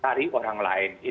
dari orang lain